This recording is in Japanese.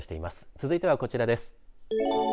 続いてはこちらです。